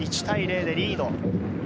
１対０でリード。